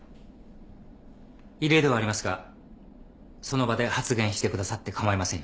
異例ではありますがその場で発言してくださって構いませんよ。